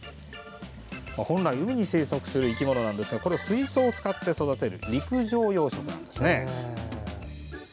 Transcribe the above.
本来、海に生息する生き物なんですが水槽を使って育てる陸上養殖です。